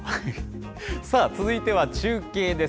さあ、続いては中継です。